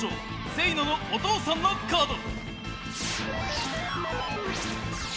せいののお父さんのカード！